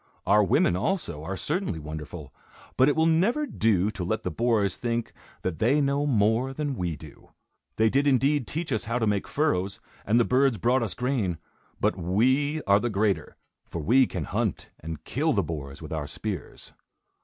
Our women, also, are certainly wonderful; but it will never do to let the boars think that they know more than we do. They did indeed teach us how to make furrows, and the birds brought us grain; but we are the greater, for we can hunt and kill the boars with our spears.